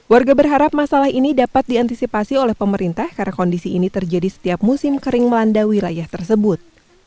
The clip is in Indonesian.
warga berharap masalah ini dapat diantisipasi oleh pemerintah karena kondisi ini terjadi setiap musim kering melanda wilayah tersebut